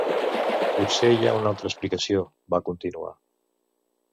"Potser hi ha una altra explicació", va continuar.